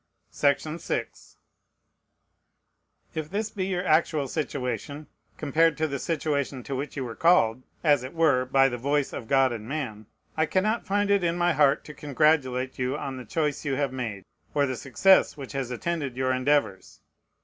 If this be your actual situation, compared to the situation to which you were called, as it were by the voice of God and man, I cannot find it in my heart to congratulate you on the choice you have made, or the success which has attended your endeavors.